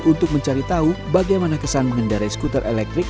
untuk mencari tahu bagaimana kesan mengendarai skuter elektrik